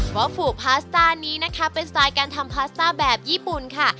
วอฟูพาสตานี้เป็นสไตล์การทำพาสตาแบบญี่ปุ่นค่ะ